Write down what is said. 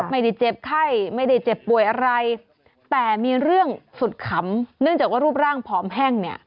ไม่ได้เจ็บไข้ไม่ได้เจ็บป่วยอะไรแต่มีเรื่องสุดขำเนื่องจากว่ารูปร่างผอมแห้งเนี่ย